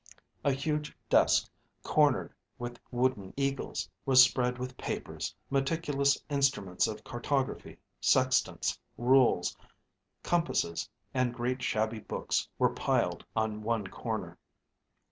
A huge desk, cornered with wooden eagles, was spread with papers, meticulous instruments of cartography, sextants, rules, compasses, and great shabby books were piled on one corner.